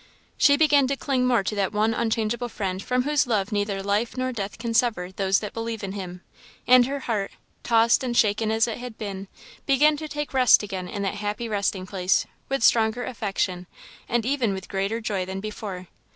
She began to cling more to that one unchangeable Friend from whose love neither life nor death can sever those that believe in him; and her heart, tossed and shaken as it had been, began to take rest again in that happy resting place with stronger affection, and even with greater joy, than ever before.